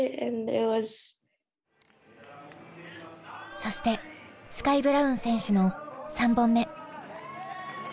そしてスカイ・ブラウン選手の３本目。